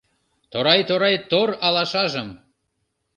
Торай-торай тор алашажым